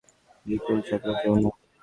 বিপুল চাকমা কেউ না।